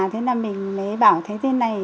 thế là mình mới bảo thế này